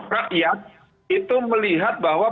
rakyat itu melihat bahwa